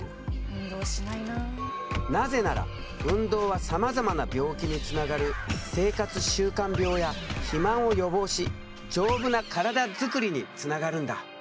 なぜなら運動はさまざまな病気につながる生活習慣病や肥満を予防し丈夫な体作りにつながるんだ。